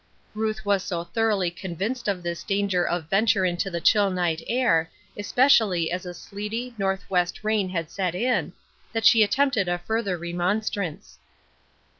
Ruth was so thoroughly convinced of this danger of venture into the chill night air, especially as a sleety, northwest rain had set in, that she at tempted a further remonstrance.